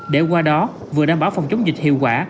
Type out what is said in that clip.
để qua đó vừa đảm bảo phòng chống dịch hiệu quả